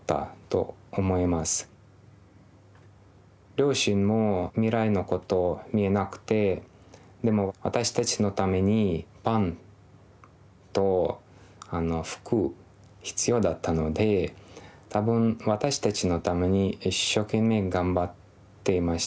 両親も未来のこと見えなくてでも私たちのためにパンと服必要だったので多分私たちのために一生懸命頑張っていました。